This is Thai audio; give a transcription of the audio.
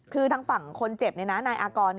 คือทางฝั่งคนเจ็บนายอากร